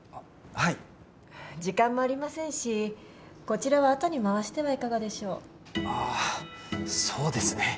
はい時間もありませんしこちらはあとに回してはいかがでしょうああそうですね